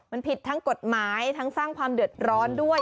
มันผิดทั้งกฎหมายทั้งสร้างความเดือดร้อนด้วย